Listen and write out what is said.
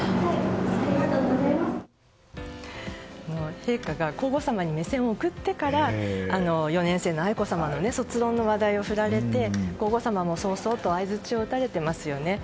陛下が皇后さまに目線を送ってから４年生の愛子さまの卒論の話題を振られて皇后さまも、そうそうと相づちを打たれていますよね。